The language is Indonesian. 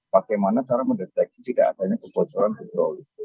bagaimana cara mendeteksi tidak adanya kebocoran hidrolis